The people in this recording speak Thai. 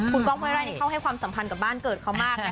คุณก้องเว้ไร่นี่เขาให้ความสัมพันธ์กับบ้านเกิดเขามากนะคะ